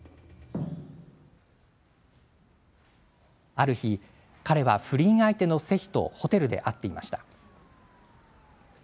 ある日、彼は不倫相手のセヒとホテルで会っていました。